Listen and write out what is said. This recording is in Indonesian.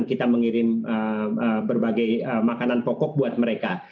kita mengirim berbagai makanan pokok buat mereka